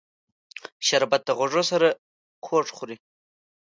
شربت د خوږو سره خوږ خوري